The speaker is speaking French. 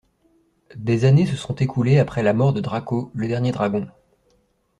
Des années se sont écoulées après la mort de Draco, le dernier dragon.